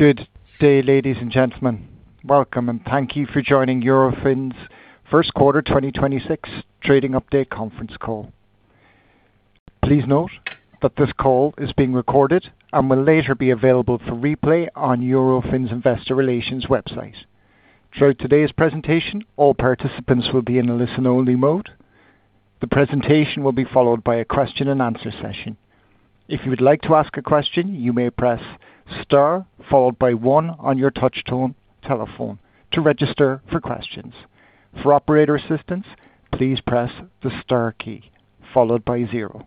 Good day, ladies and gentlemen. Welcome, and thank you for joining Eurofins' first quarter 2026 trading update conference call. Please note that this call is being recorded and will later be available for replay on Eurofins' investor relations website. Throughout today's presentation, all participants will be in a listen-only mode. The presentation will be followed by a question and answer session. If you would like to ask a question, you may press star followed by one on your touch tone telephone to register for questions. For operator assistance, please press the star key followed by zero.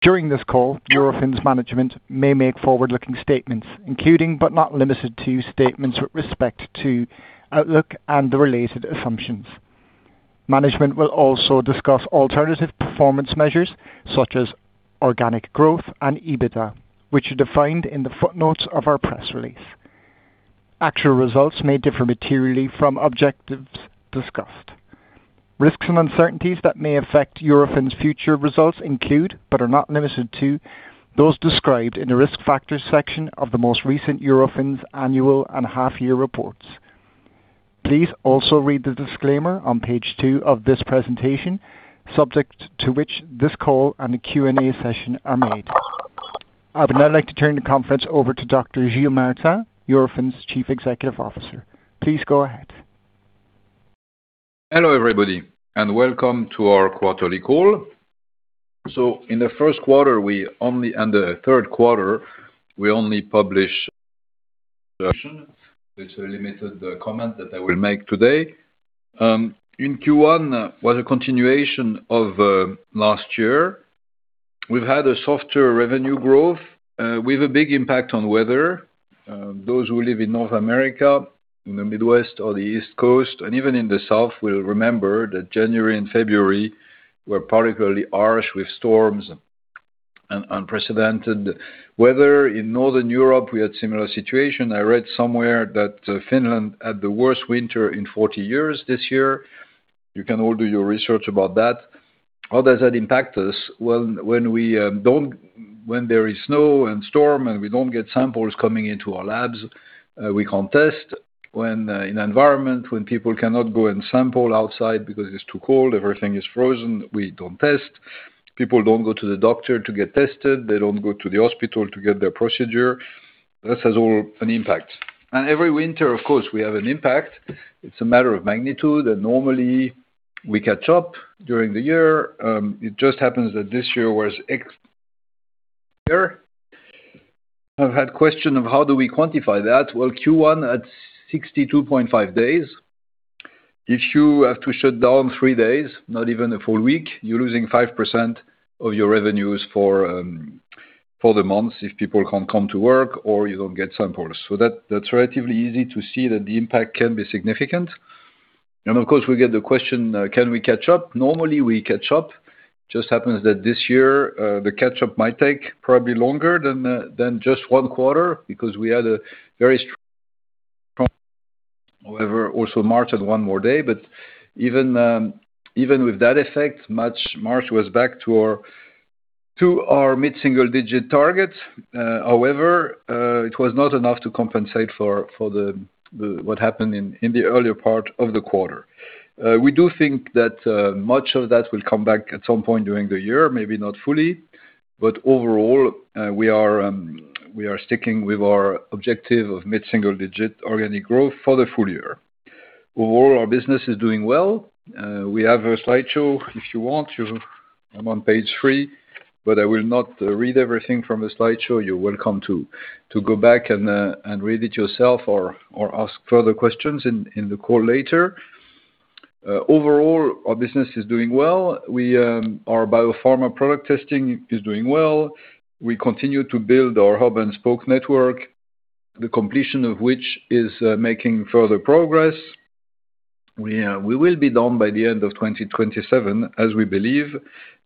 During this call, Eurofins' management may make forward-looking statements, including but not limited to, statements with respect to outlook and the related assumptions. Management will also discuss alternative performance measures such as organic growth and EBITDA, which are defined in the footnotes of our press release. Actual results may differ materially from objectives discussed. Risks and uncertainties that may affect Eurofins' future results include, but are not limited to, those described in the risk factors section of the most recent Eurofins annual and half year reports. Please also read the disclaimer on page two of this presentation, subject to which this call and the Q&A session are made. I would now like to turn the conference over to Dr. Gilles Martin, Eurofins' Chief Executive Officer. Please go ahead. Hello, everybody, and welcome to our quarterly call. It's a limited comment that I will make today. In Q1, it was a continuation of last year. We've had a softer revenue growth with a big impact on weather. Those who live in North America, in the Midwest or the East Coast, and even in the South, will remember that January and February were particularly harsh with storms and unprecedented weather. In Northern Europe, we had a similar situation. I read somewhere that Finland had the worst winter in 40 years this year. You can all do your research about that. How does that impact us? Well, when there is snow and storm and we don't get samples coming into our labs, we can't test. When in environment, when people cannot go and sample outside because it's too cold, everything is frozen, we don't test. People don't go to the doctor to get tested. They don't go to the hospital to get their procedure. This has all an impact. Every winter, of course, we have an impact. It's a matter of magnitude, and normally we catch up during the year. It just happens that this year was extreme here. I've had question of how do we quantify that. Well, Q1 at 62.5 days. If you have to shut down three days, not even a full week, you're losing 5% of your revenues for the month if people can't come to work or you don't get samples. So that's relatively easy to see that the impact can be significant. Of course, we get the question, can we catch up? Normally, we catch up. Just happens that this year, the catch up might take probably longer than just one quarter because we had a very strong. However, also March had one more day, but even with that effect, March was back to our mid-single digit target. However, it was not enough to compensate for what happened in the earlier part of the quarter. We do think that much of that will come back at some point during the year, maybe not fully. Overall, we are sticking with our objective of mid-single digit organic growth for the full year. Overall, our business is doing well. We have a slideshow if you want. I'm on page three, but I will not read everything from the slideshow. You're welcome to go back and read it yourself or ask further questions in the call later. Overall, our business is doing well. Our BioPharma Product Testing is doing well. We continue to build our hub-and-spoke network, the completion of which is making further progress. We will be done by the end of 2027, as we believe.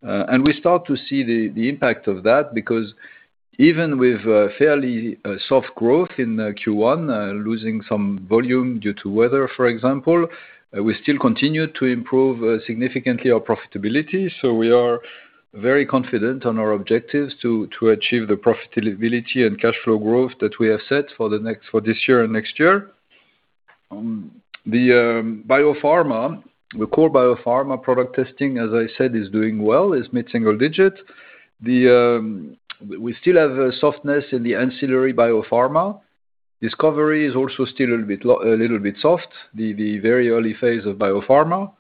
We start to see the impact of that, because even with fairly soft growth in Q1, losing some volume due to weather, for example, we still continued to improve significantly our profitability. We are very confident on our objectives to achieve the profitability and cash flow growth that we have set for this year and next year. The core BioPharma Product Testing, as I said, is doing well, is mid-single digit. We still have a softness in the ancillary biopharma. Discovery is also still a little bit soft, the very early phase of biopharma.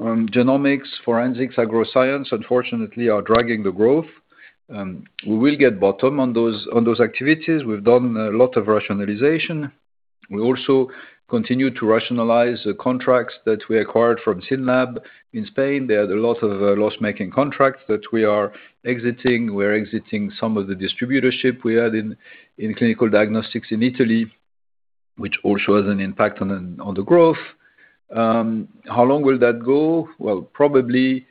Genomics, forensics, agroscience, unfortunately, are dragging the growth. We will hit bottom on those activities. We've done a lot of rationalization. We also continue to rationalize the contracts that we acquired from SYNLAB in Spain. They had a lot of loss-making contracts that we are exiting. We're exiting some of the distributorship we had in clinical diagnostics in Italy, which also has an impact on the growth. How long will that go? Well, probably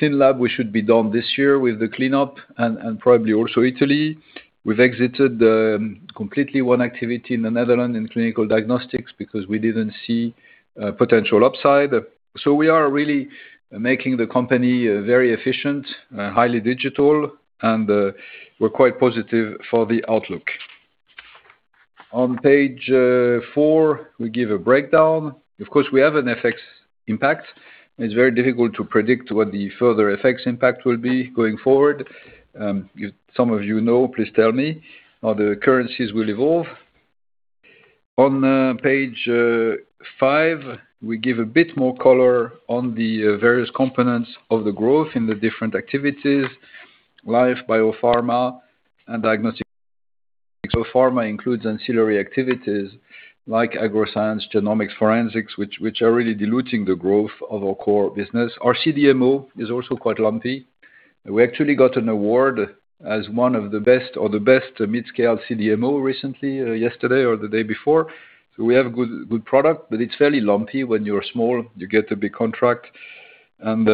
SYNLAB, we should be done this year with the cleanup and probably also Italy. We've exited completely one activity in the Netherlands in clinical diagnostics because we didn't see potential upside. We are really making the company very efficient, highly digital, and we're quite positive for the outlook. On page four, we give a breakdown. Of course, we have an FX impact. It's very difficult to predict what the further FX impact will be going forward. If some of you know, please tell me how the currencies will evolve. On page five, we give a bit more color on the various components of the growth in the different activities, life, biopharma, and diagnostics. Biopharma includes ancillary activities like agroscience, genomics, forensics, which are really diluting the growth of our core business. Our CDMO is also quite lumpy. We actually got an award as one of the best or the best mid-scale CDMO recently, yesterday or the day before. We have a good product, but it's fairly lumpy. When you're small, you get a big contract, and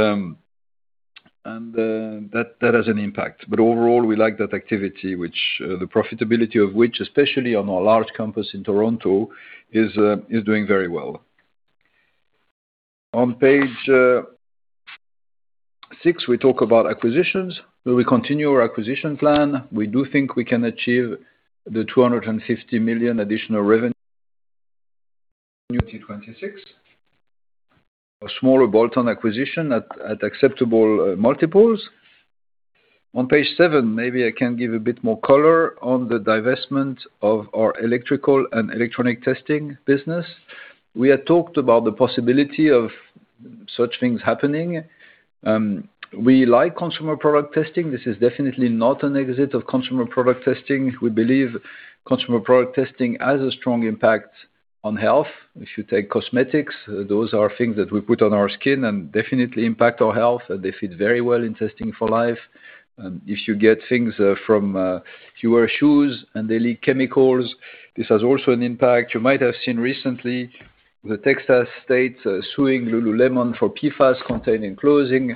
that has an impact. Overall, we like that activity, the profitability of which, especially on our large campus in Toronto, is doing very well. On page six, we talk about acquisitions, where we continue our acquisition plan. We do think we can achieve the 250 million additional revenue in 2026, a smaller bolt-on acquisition at acceptable multiples. On page seven, maybe I can give a bit more color on the divestment of our electrical and electronic testing business. We had talked about the possibility of such things happening. We like consumer product testing. This is definitely not an exit of consumer product testing. We believe consumer product testing has a strong impact on health. If you take cosmetics, those are things that we put on our skin and definitely impact our health, and they fit very well in Testing for Life. If you get things from your shoes and they leak chemicals, this has also an impact. You might have seen recently, the Texas state suing Lululemon for PFAS contained in clothing.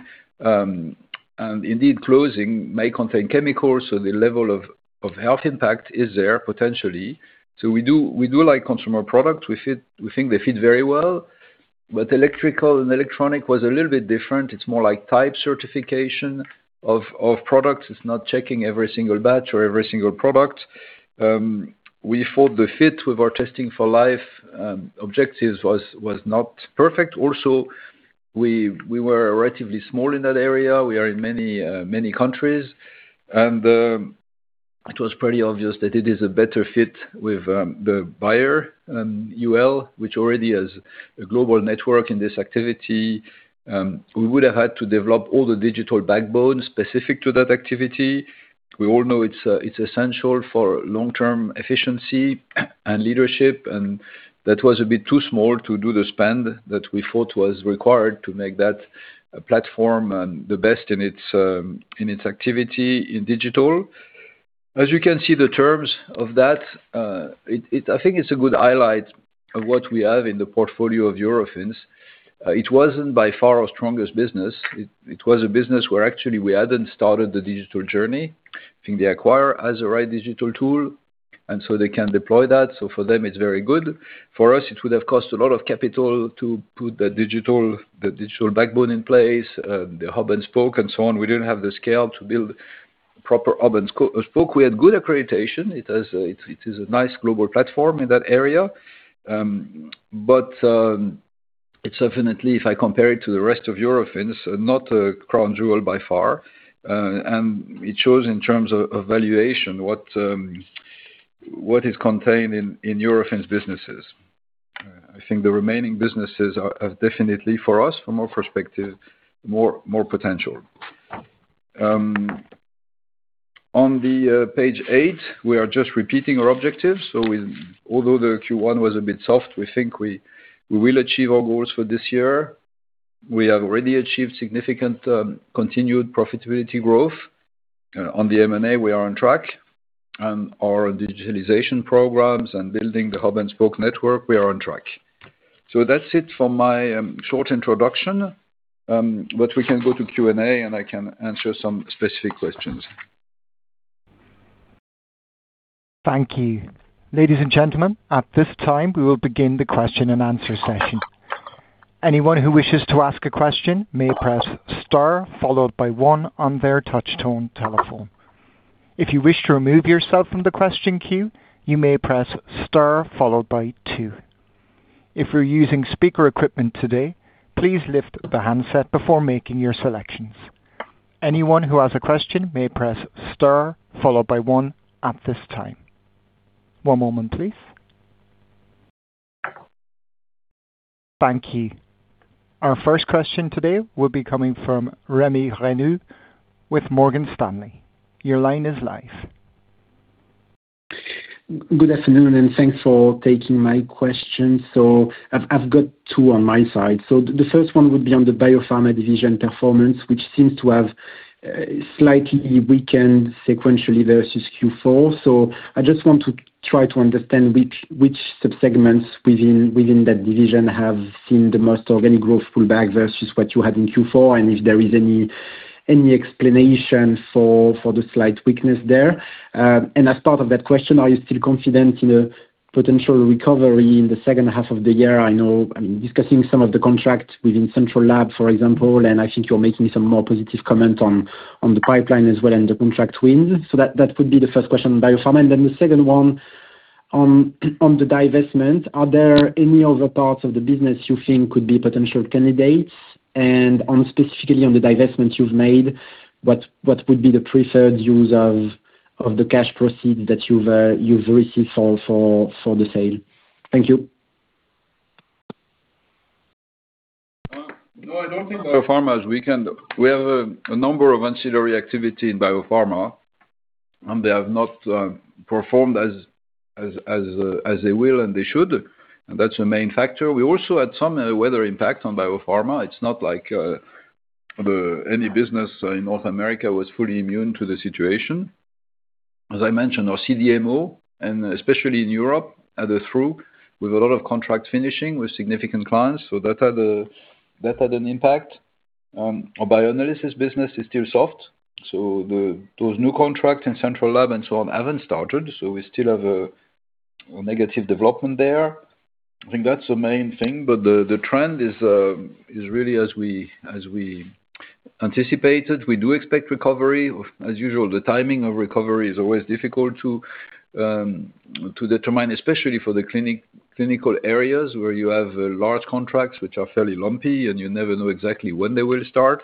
Indeed, clothing may contain chemicals, so the level of health impact is there potentially. We do like consumer products. We think they fit very well. Electrical and electronic was a little bit different. It's more like type certification of products. It's not checking every single batch or every single product. We thought the fit with our Testing for Life objectives was not perfect. Also, we were relatively small in that area. We are in many countries. It was pretty obvious that it is a better fit with the buyer, UL, which already has a global network in this activity. We would have had to develop all the digital backbone specific to that activity. We all know it's essential for long-term efficiency and leadership, and that was a bit too small to do the spend that we thought was required to make that platform the best in its activity in digital. As you can see the terms of that, I think it's a good highlight of what we have in the portfolio of Eurofins. It wasn't by far our strongest business. It was a business where actually we hadn't started the digital journey. I think the acquirer has the right digital tool, and so they can deploy that. For them, it's very good. For us, it would have cost a lot of capital to put the digital backbone in place, the hub and spoke and so on. We didn't have the scale to build proper hub and spoke. We had good accreditation. It is a nice global platform in that area. It's definitely, if I compare it to the rest of Eurofins, not a crown jewel by far. It shows in terms of valuation, what is contained in Eurofins' businesses. I think the remaining businesses are definitely, for us, from our perspective, more potential. On the page eight, we are just repeating our objectives. Although the Q1 was a bit soft, we think we will achieve our goals for this year. We have already achieved significant continued profitability growth. On the M&A, we are on track. On our digitalization programs and building the hub-and-spoke network, we are on track. That's it for my short introduction. We can go to Q&A, and I can answer some specific questions. Thank you. Ladies and gentlemen, at this time, we will begin the question-and-answer session. Anyone who wishes to ask a question may press star followed by one on their touch tone telephone. If you wish to remove yourself from the question queue, you may press star followed by two. If you're using speaker equipment today, please lift the handset before making your selections. Anyone who has a question may press star followed by one at this time. One moment, please. Thank you. Our first question today will be coming from Remi Grenu with Morgan Stanley. Your line is live. Good afternoon, and thanks for taking my question. I've got two on my side. The first one would be on the biopharma division performance, which seems to have slightly weakened sequentially versus Q4. I just want to try to understand which subsegments within that division have seen the most organic growth pullback versus what you had in Q4, and if there is any explanation for the slight weakness there. As part of that question, are you still confident in a potential recovery in the second half of the year? I know, discussing some of the contracts within Central Lab, for example, and I think you're making some more positive comments on the pipeline as well and the contract wins. That would be the first question, biopharma. The second one. On the divestment, are there any other parts of the business you think could be potential candidates? Specifically on the divestment you've made, what would be the preferred use of the cash proceeds that you've received for the sale? Thank you. No, I don't think BioPharma is weakened. We have a number of ancillary activity in BioPharma, and they have not performed as they will and they should. That's the main factor. We also had some weather impact on BioPharma. It's not like any business in North America was fully immune to the situation. As I mentioned, our CDMO, and especially in Europe, had a trough with a lot of contracts finishing with significant clients, so that had an impact. Our bioanalysis business is still soft, so those new contracts in Central Lab and so on haven't started, so we still have a negative development there. I think that's the main thing. The trend is really as we anticipated. We do expect recovery. As usual, the timing of recovery is always difficult to determine, especially for the clinical areas where you have large contracts which are fairly lumpy and you never know exactly when they will start.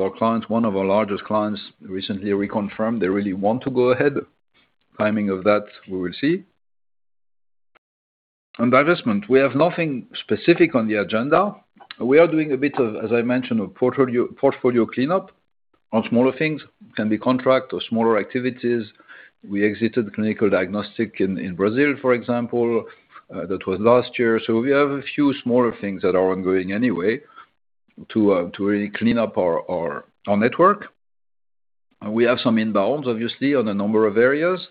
Our clients, one of our largest clients recently reconfirmed they really want to go ahead. Timing of that, we will see. On divestment, we have nothing specific on the agenda. We are doing a bit of, as I mentioned, a portfolio cleanup on smaller things. It can be contract or smaller activities. We exited clinical diagnostics in Brazil, for example. That was last year. We have a few smaller things that are ongoing anyway to really clean up our network. We have some inbounds, obviously, on a number of areas.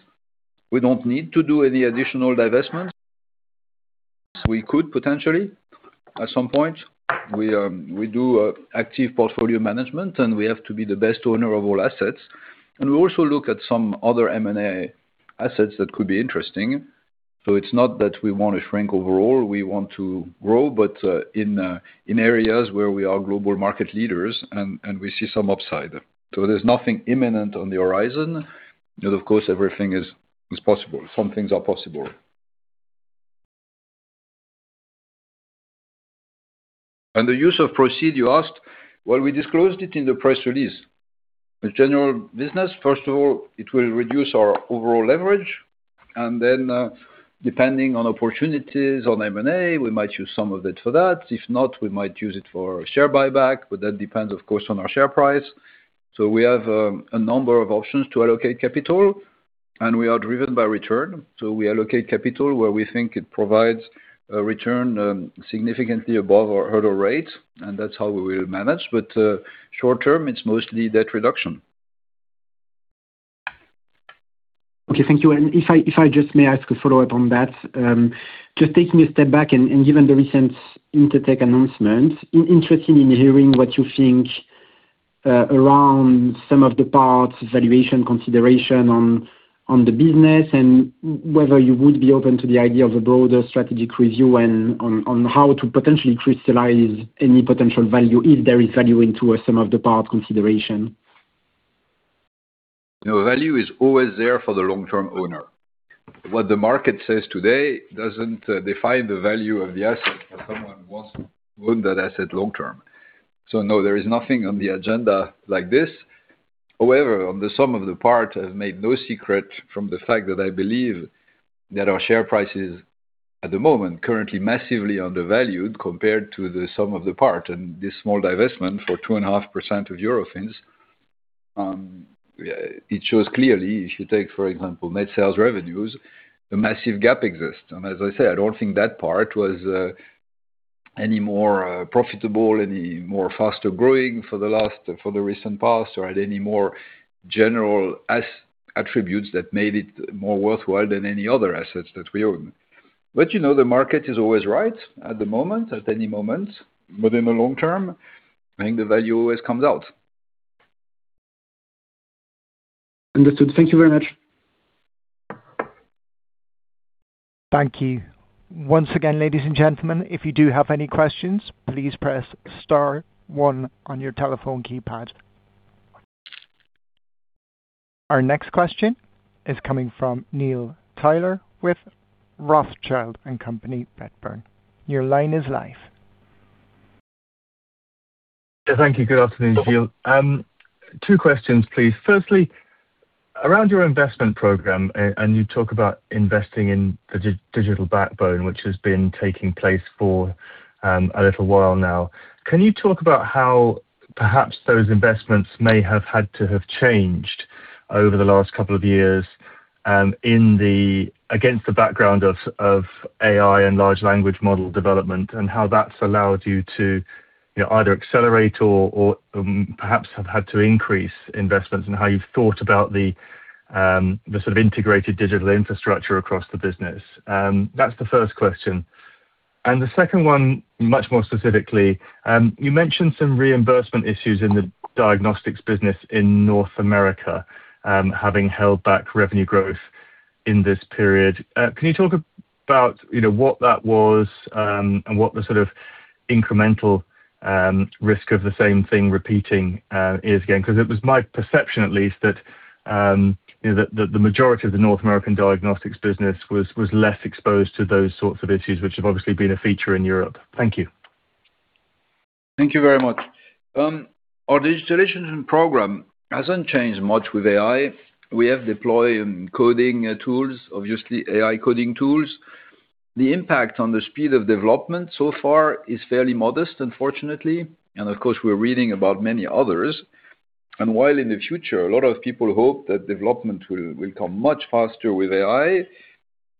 We don't need to do any additional divestments. We could potentially, at some point. We do active portfolio management, and we have to be the best owner of all assets. We also look at some other M&A assets that could be interesting. It's not that we want to shrink overall. We want to grow, but in areas where we are global market leaders and we see some upside. There's nothing imminent on the horizon. Of course, everything is possible. Some things are possible. The use of proceeds, you asked, well, we disclosed it in the press release. The general business, first of all, it will reduce our overall leverage, and then, depending on opportunities on M&A, we might use some of it for that. If not, we might use it for share buyback, but that depends, of course, on our share price. We have a number of options to allocate capital, and we are driven by return. We allocate capital where we think it provides a return significantly above our hurdle rates, and that's how we will manage. Short-term, it's mostly debt reduction. Okay, thank you. If I just may ask a follow-up on that. Just taking a step back and given the recent Intertek announcement, I'm interested in hearing what you think around sum-of-the-parts valuation consideration on the business and whether you would be open to the idea of a broader strategic review on how to potentially crystallize any potential value, if there is value, into a sum-of-the-parts consideration. No value is always there for the long-term owner. What the market says today doesn't define the value of the asset if someone wants to own that asset long term. So no, there is nothing on the agenda like this. However, on the sum of the parts, I've made no secret of the fact that I believe that our share price is, at the moment, currently massively undervalued compared to the sum of the parts and this small divestment for 2.5% of Eurofins, it shows clearly. If you take, for example, medical sales revenues, a massive gap exists. As I said, I don't think that part was any more profitable, any more faster growing for the recent past or had any more general attributes that made it more worthwhile than any other assets that we own. The market is always right at the moment, at any moment. In the long term, I think the value always comes out. Understood. Thank you very much. Thank you. Once again, ladies and gentlemen, if you do have any questions, please press star one on your telephone keypad. Our next question is coming from Neil Tyler with Rothschild & Co, Edinburgh. Your line is live. Yeah, thank you. Good afternoon, Gilles. Two questions, please. Firstly, around your investment program, and you talk about investing in the digital backbone, which has been taking place for a little while now. Can you talk about how perhaps those investments may have had to have changed over the last couple of years against the background of AI and large language model development, and how that's allowed you to either accelerate or perhaps have had to increase investments and how you've thought about the sort of integrated digital infrastructure across the business? That's the first question. And the second one, much more specifically, you mentioned some reimbursement issues in the diagnostics business in North America, having held back revenue growth in this period. Can you talk a bit about what that was, and what the sort of incremental risk of the same thing repeating is again, because it was my perception at least that the majority of the North American diagnostics business was less exposed to those sorts of issues, which have obviously been a feature in Europe? Thank you. Thank you very much. Our digitalization program hasn't changed much with AI. We have deployed coding tools, obviously AI coding tools. The impact on the speed of development so far is fairly modest, unfortunately. Of course, we're reading about many others. While in the future, a lot of people hope that development will come much faster with AI,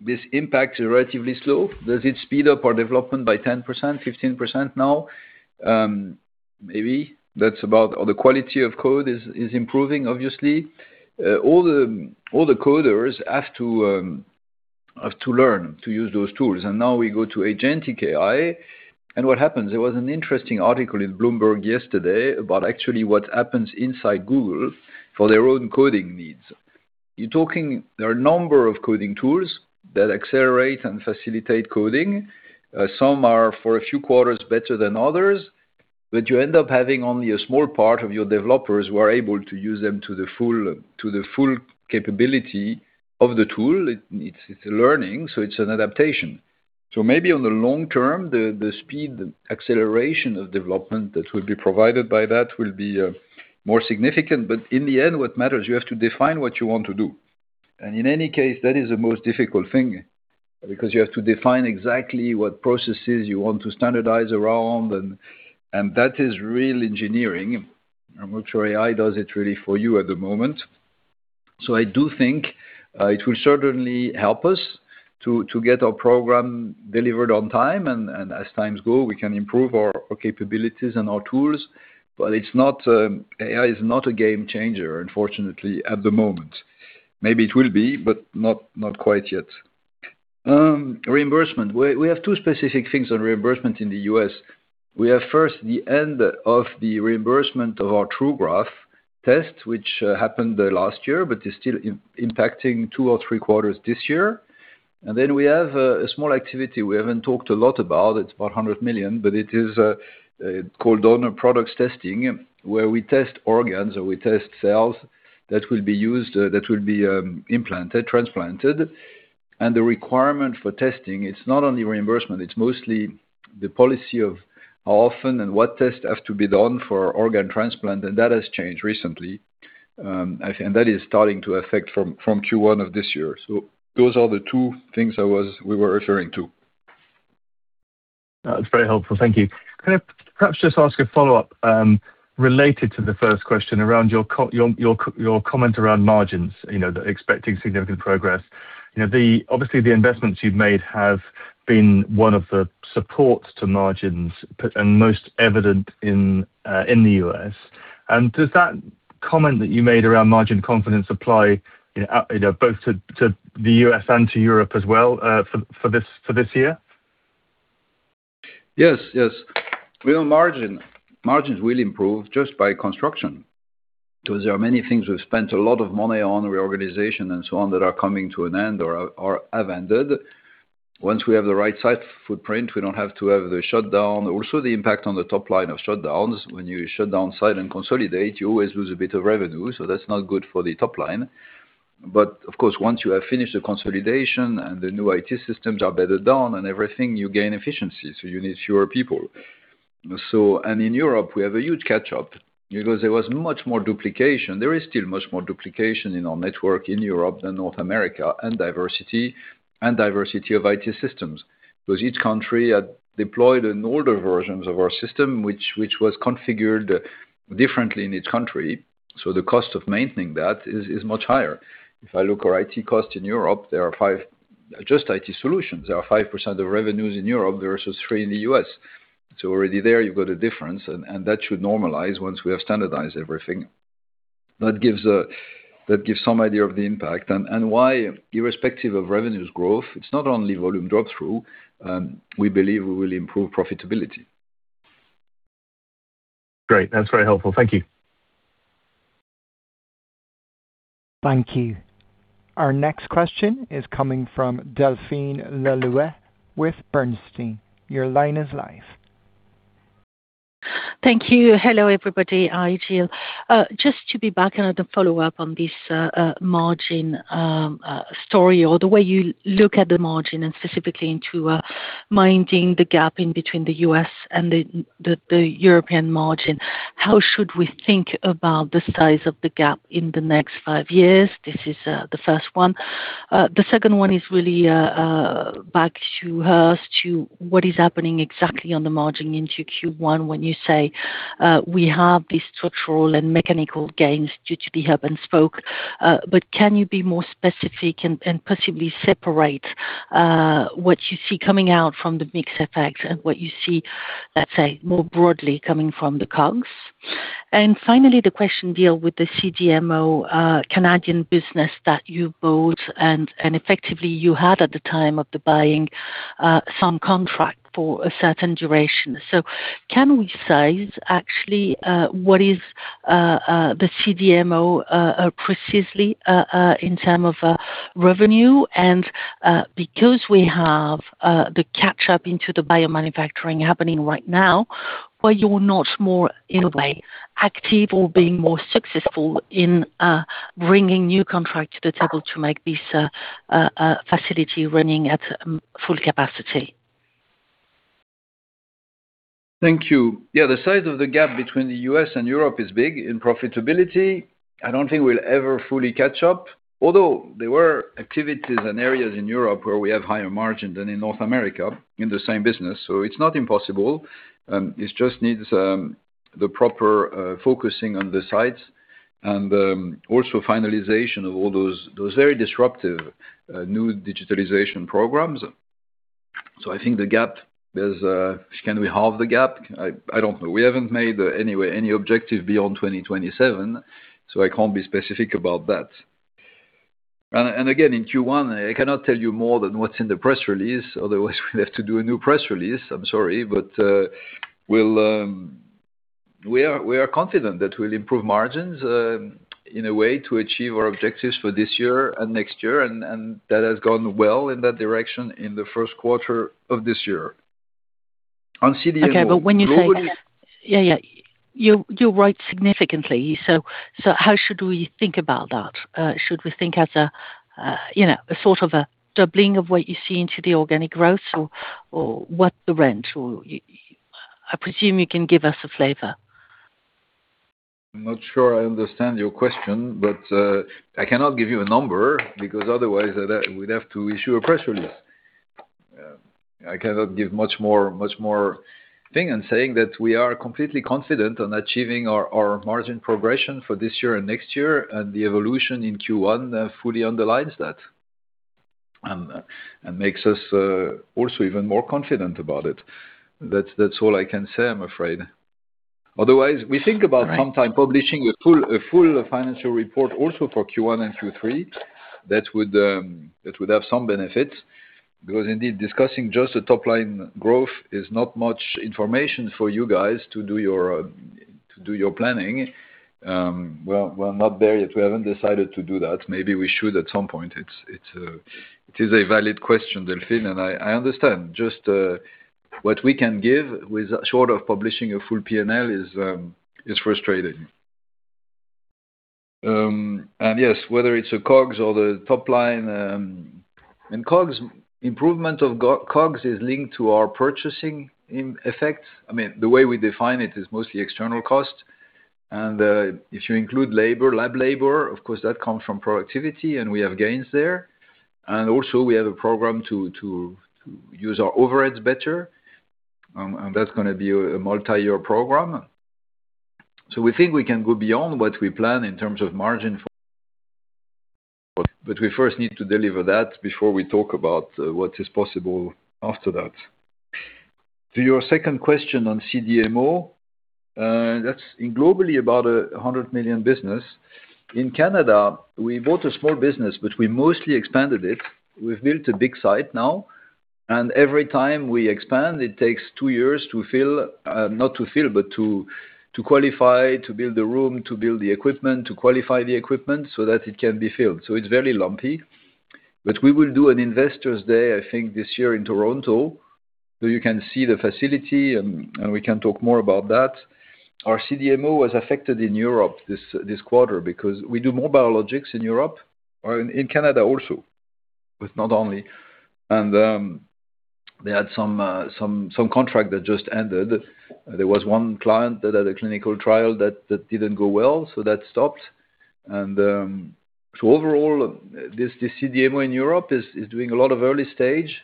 this impact is relatively slow. Does it speed up our development by 10%, 15% now? Maybe. That's about all the quality of code is improving, obviously. All the coders have to learn to use those tools. Now we go to agentic AI, and what happens? There was an interesting article in Bloomberg yesterday about actually what happens inside Google for their own coding needs. You're talking, there are a number of coding tools that accelerate and facilitate coding. Some are for a few quarters better than others, but you end up having only a small part of your developers who are able to use them to the full capability of the tool. It's learning, so it's an adaptation. Maybe on the long term, the speed, acceleration of development that will be provided by that will be more significant. In the end, what matters, you have to define what you want to do. In any case, that is the most difficult thing, because you have to define exactly what processes you want to standardize around, and that is real engineering. I'm not sure AI does it really for you at the moment. I do think it will certainly help us to get our program delivered on time. As times go, we can improve our capabilities and our tools. AI is not a game changer, unfortunately, at the moment. Maybe it will be, but not quite yet. Reimbursement. We have two specific things on reimbursement in the U.S. We have first, the end of the reimbursement of our TruGraf test, which happened last year, but is still impacting two or three quarters this year. Then we have a small activity we haven't talked a lot about. It's about 100 million, but it is called Donor Products Testing, where we test organs or we test cells that will be used, that will be implanted, transplanted. The requirement for testing, it's not only reimbursement, it's mostly the policy of how often and what tests have to be done for organ transplant, and that has changed recently. That is starting to affect from Q1 of this year. Those are the two things we were referring to. That's very helpful. Thank you. Can I perhaps just ask a follow-up, related to the first question around your comment around margins, expecting significant progress. Obviously, the investments you've made have been one of the supports to margins, and most evident in the U.S. Does that comment that you made around margin confidence apply both to the U.S. and to Europe as well, for this year? Yes. Real margin. Margins will improve just by construction. There are many things we've spent a lot of money on, reorganization and so on, that are coming to an end or have ended. Once we have the right site footprint, we don't have to have the shutdown. Also, the impact on the top line of shutdowns. When you shut down sites and consolidate, you always lose a bit of revenue, so that's not good for the top line. Of course, once you have finished the consolidation and the new IT systems are bedded down and everything, you gain efficiency, so you need fewer people. In Europe, we have a huge catch up because there was much more duplication. There is still much more duplication in our network in Europe than North America, and diversity of IT systems. Because each country had deployed older versions of our system, which was configured differently in each country, the cost of maintaining that is much higher. If I look at our IT costs in Europe, there are 5% of revenues in Europe versus 3% in the U.S. Already there, you've got a difference. That should normalize once we have standardized everything. That gives some idea of the impact and why, irrespective of revenue growth, it's not only volume drop-through, we believe we will improve profitability. Great. That's very helpful. Thank you. Thank you. Our next question is coming from Delphine Le Louët with Bernstein. Your line is live. Thank you. Hello, everybody. Hi, Gilles. Just to follow up on this margin story or the way you look at the margin and specifically into minding the gap in between the U.S. and the European margin. How should we think about the size of the gap in the next five years? This is the first one. The second one is really back to HRIS, to what is happening exactly on the margin into Q1 when you say, we have these structural and mechanical gains due to the hub-and-spoke. Can you be more specific and possibly separate what you see coming out from the mix effects and what you see, let's say, more broadly coming from the COGS? Finally, the question deals with the CDMO Canadian business that you bought and effectively you had at the time of the buying some contract for a certain duration. Can we size actually what is the CDMO precisely in terms of revenue? Because we have the catch-up into the biomanufacturing happening right now, why you're not more, in a way, active or being more successful in bringing new contract to the table to make this facility running at full capacity? Thank you. Yeah. The size of the gap between the U.S. and Europe is big in profitability. I don't think we'll ever fully catch up, although there were activities and areas in Europe where we have higher margin than in North America in the same business. It's not impossible. It just needs the proper focusing on the sites and also finalization of all those very disruptive new digitalization programs. I think the gap, can we halve the gap? I don't know. We haven't made any objective beyond 2027, so I can't be specific about that. Again, in Q1, I cannot tell you more than what's in the press release. Otherwise, we'll have to do a new press release. I'm sorry. We are confident that we'll improve margins in a way to achieve our objectives for this year and next year. That has gone well in that direction in the first quarter of this year. On CDMO. Yeah. You're right, significantly. How should we think about that? Should we think as a sort of a doubling of what you see into the organic growth or what the range? I presume you can give us a flavor. I'm not sure I understand your question, but I cannot give you a number, because otherwise I would have to issue a press release. I cannot give much more than saying that we are completely confident on achieving our margin progression for this year and next year, and the evolution in Q1 fully underlines that and makes us also even more confident about it. That's all I can say, I'm afraid. Otherwise, we think about sometime publishing a full financial report also for Q1 and Q3. That would have some benefit, because indeed, discussing just the top line growth is not much information for you guys to do your planning. We're not there yet. We haven't decided to do that. Maybe we should at some point. It is a valid question, Delphine, and I understand. Just what we can give short of publishing a full P&L is frustrating. Yes, whether it's the COGS or the top line. COGS, improvement of COGS is linked to our purchasing effect. The way we define it is mostly external cost. If you include labor, lab labor, of course, that comes from productivity, and we have gains there. Also we have a program to use our overheads better. That's going to be a multi-year program. We think we can go beyond what we plan in terms of margin for but we first need to deliver that before we talk about what is possible after that. To your second question on CDMO, that's globally about 100 million business. In Canada, we bought a small business, but we mostly expanded it. We've built a big site now, and every time we expand, it takes two years to fill. Not to fill, but to qualify, to build the room, to build the equipment, to qualify the equipment so that it can be filled. It's very lumpy. We will do an investors day, I think, this year in Toronto, so you can see the facility, and we can talk more about that. Our CDMO was affected in Europe this quarter because we do more biologics in Europe, or in Canada also, but not only. They had some contract that just ended. There was one client that had a clinical trial that didn't go well, so that stopped. Overall, this CDMO in Europe is doing a lot of early stage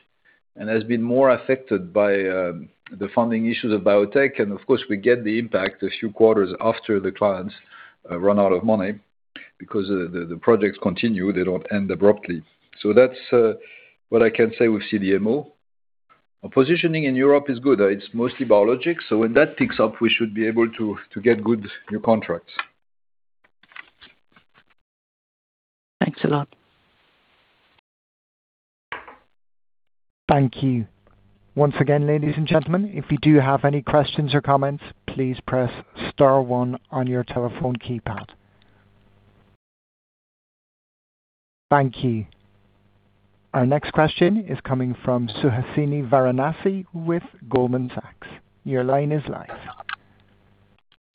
and has been more affected by the funding issues of biotech. Of course, we get the impact a few quarters after the clients run out of money because the projects continue. They don't end abruptly. That's what I can say with CDMO. Our positioning in Europe is good. It's mostly biologics, so when that picks up, we should be able to get good new contracts. Thanks a lot. Thank you. Once again, ladies and gentlemen, if you do have any questions or comments, please press star one on your telephone keypad. Thank you. Our next question is coming from Suhasini Varanasi with Goldman Sachs. Your line is live.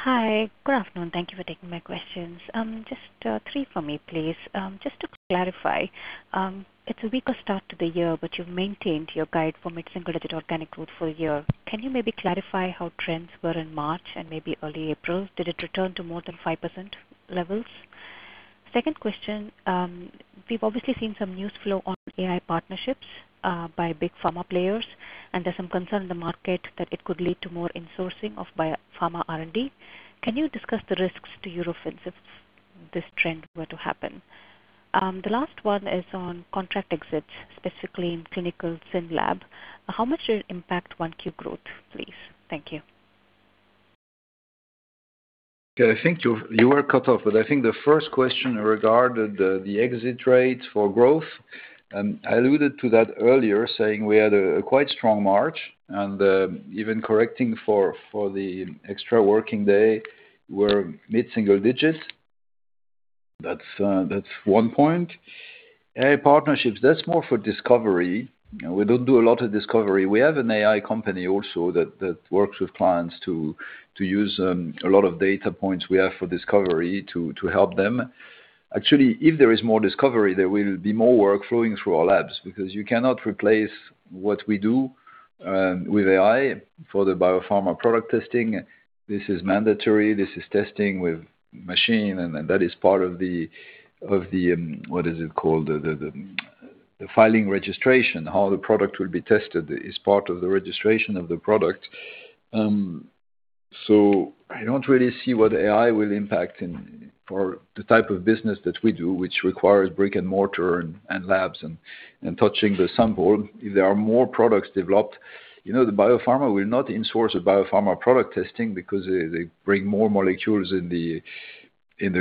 Hi. Good afternoon. Thank you for taking my questions. Just three for me, please. Just to clarify, it's a weaker start to the year, but you've maintained your guide for mid-single-digit organic growth full year. Can you maybe clarify how trends were in March and maybe early April? Did it return to more than 5% levels? Second question. We've obviously seen some news flow on AI partnerships by big pharma players, and there's some concern in the market that it could lead to more insourcing of biopharma R&D. Can you discuss the risks to Eurofins if this trend were to happen? The last one is on contract exits, specifically in clinical SYNLAB. How much will it impact Q1 growth, please? Thank you. Okay. I think you were cut off, but I think the first question regarded the exit rate for growth, and I alluded to that earlier, saying we had a quite strong March, and even correcting for the extra working day, we're mid-single digits. That's one point. AI partnerships, that's more for discovery. We don't do a lot of discovery. We have an AI company also that works with clients to use a lot of data points we have for discovery to help them. Actually, if there is more discovery, there will be more work flowing through our labs because you cannot replace what we do with AI for the BioPharma Product Testing. This is mandatory. This is testing with machine, and that is part of the, what is it called, the filing registration. How the product will be tested is part of the registration of the product. I don't really see what AI will impact for the type of business that we do, which requires brick and mortar and labs and touching the sample. If there are more products developed, the biopharma will not in-source BioPharma Product Testing because they bring more molecules in the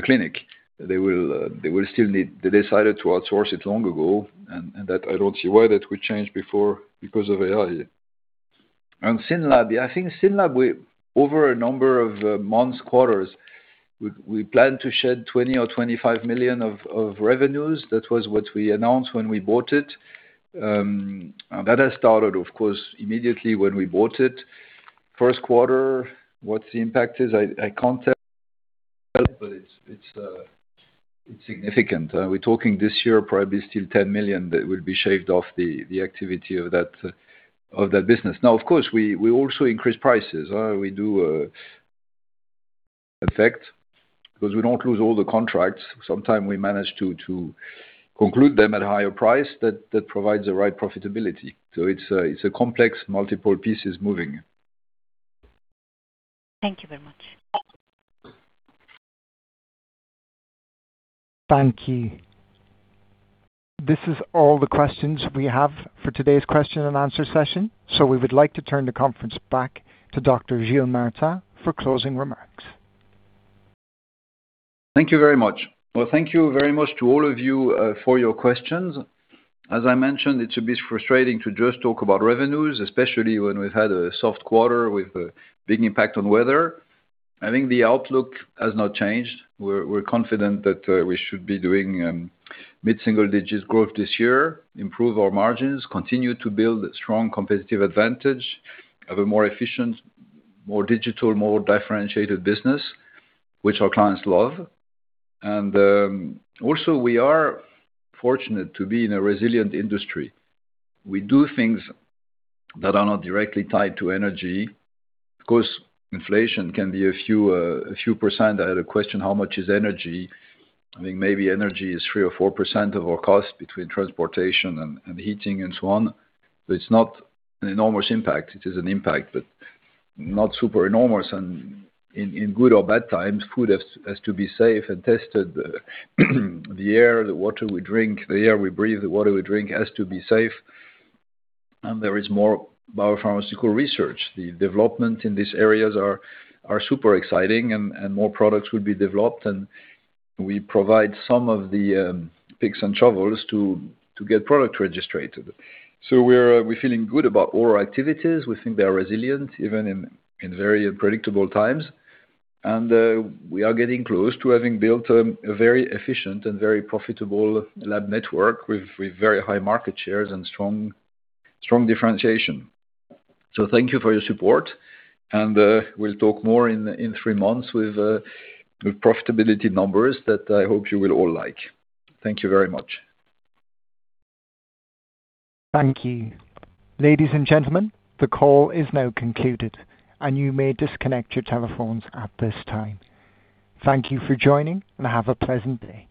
clinic. They decided to outsource it long ago, and I don't see why that would change because of AI. SYNLAB, I think, over a number of months, quarters, we plan to shed 20 million or 25 million of revenues. That was what we announced when we bought it. That has started, of course, immediately when we bought it. In the first quarter, what the impact is, I can't tell, but it's significant. We're talking this year, probably still 10 million that will be shaved off the activity of that business. Now, of course, we also increase prices. We do offset because we don't lose all the contracts. Sometimes we manage to conclude them at a higher price that provides the right profitability. It's a complex multiple pieces moving. Thank you very much. Thank you. This is all the questions we have for today's question and answer session. We would like to turn the conference back to Dr. Gilles Martin for closing remarks. Thank you very much. Well, thank you very much to all of you for your questions. As I mentioned, it's a bit frustrating to just talk about revenues, especially when we've had a soft quarter with a big impact on weather. I think the outlook has not changed. We're confident that we should be doing mid-single digits growth this year, improve our margins, continue to build a strong competitive advantage, have a more efficient, more digital, more differentiated business, which our clients love. And also, we are fortunate to be in a resilient industry. We do things that are not directly tied to energy. Of course, inflation can be a few percent. I had a question, how much is energy? I think maybe energy is 3%-4% of our cost between transportation and heating and so on. It's not an enormous impact. It is an impact, but not super enormous. In good or bad times, food has to be safe and tested. The air we breathe, the water we drink, has to be safe. There is more biopharmaceutical research. The development in these areas are super exciting and more products will be developed, and we provide some of the picks and shovels to get product registered. We're feeling good about all our activities. We think they are resilient, even in very unpredictable times. We are getting close to having built a very efficient and very profitable lab network with very high market shares and strong differentiation. Thank you for your support, and we'll talk more in three months with profitability numbers that I hope you will all like. Thank you very much. Thank you. Ladies and gentlemen, the call is now concluded, and you may disconnect your telephones at this time. Thank you for joining, and have a pleasant day.